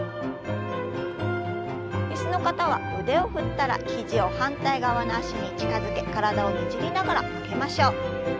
椅子の方は腕を振ったら肘を反対側の脚に近づけ体をねじりながら曲げましょう。